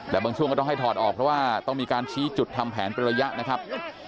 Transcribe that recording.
แต่บางช่วงก็ต้องให้ถอดออกเพราะว่าต้องมีการชี้จุดทำแผนเป็นระยะนะครับ